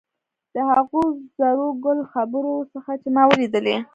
د هغو زرو ګل خبرو څخه چې ما ولیدلې.